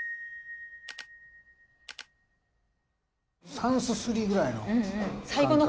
三すすりぐらいの。